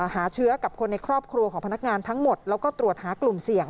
หาเชื้อกับคนในครอบครัวของพนักงานทั้งหมดแล้วก็ตรวจหากลุ่มเสี่ยง